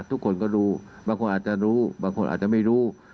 ทุกคนก็รู้บางคนอาจจะรู้บางคนอาจจะไม่รู้